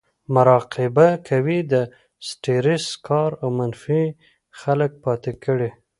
مراقبه کوي , د سټرېس کار او منفي خلک پاتې کړي